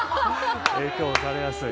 影響されやすい。